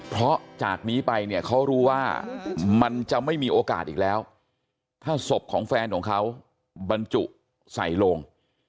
เพราะจากนี้ไปเนี่ยเขารู้ว่ามันจะไม่มีโอกาสอีกแล้วถ้าศพของแฟนของเขาบรรจุใส่ลง